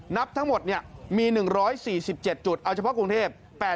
นับทั้งหมดมี๑๔๗จุดเอาเฉพาะกรุงเทพ